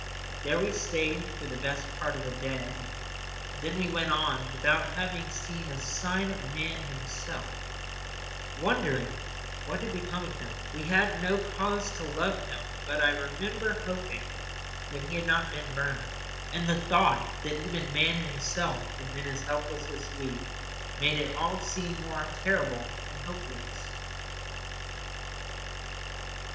There we stayed for the best part of a day, and then we went on without having seen a sign of man himself, and wondering what had become of him. We had no cause to love him; but I remember hoping that he had not been burned. And the thought that even man himself had been as helpless as we made it all seem more terrible and hopeless.